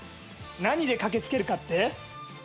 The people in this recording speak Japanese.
何で駆けつけるかって？